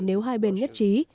nếu hai bên nhất trí